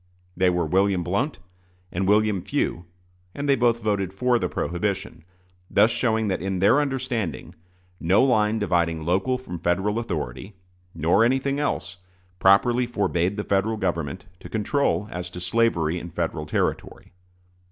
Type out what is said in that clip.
They were William Blount and William Few; and they both voted for the prohibition thus showing that in their understanding no line dividing local from Federal authority, nor anything else, properly forbade the Federal Government to control as to slavery in Federal territory.